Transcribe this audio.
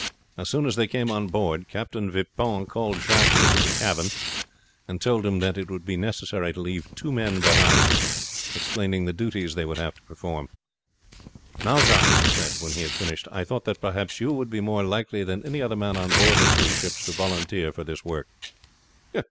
As soon as they came on board Captain Vipon called Jacques into the cabin and told him that it would be necessary to leave two men behind, explaining the duties they would have to perform. "Now Jacques," he said when he had finished, "I thought that perhaps you would be more likely than any other man on board the three ships to volunteer for this work."